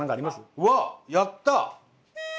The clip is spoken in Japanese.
うわやった！